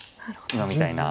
今みたいな。